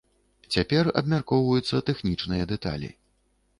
Цяпер абмяркоўваюцца тэхнічныя дэталі.